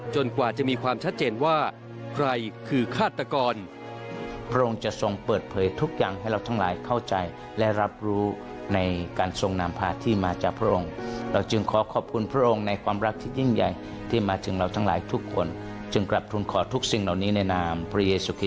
จนกว่าจะมีความชัดเจนว่าใครคือฆาตกร